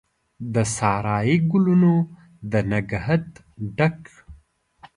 د سارایي ګلونو د نګهت ډک،